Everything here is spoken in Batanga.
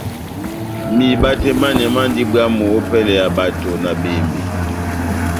Miba tɛh manɛ mandi bwamh opɛlɛ ya bato na bembe.